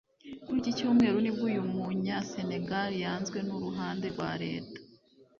Kuri iki cyumweru nibwo uyu munya-Senegal yanzwe n’ uruhande rwa Leta